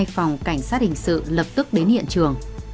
hai phòng cảnh sát hình sự lập tức đến hiện trường